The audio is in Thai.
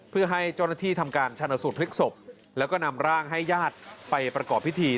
เพื่อให้เจ้าหน้าที่ทำการชนสูตรพลิกศพแล้วก็นำร่างให้ญาติไปประกอบพิธี